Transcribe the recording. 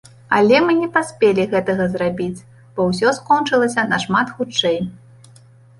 Але мы не паспелі гэтага зрабіць, бо ўсё скончылася нашмат хутчэй.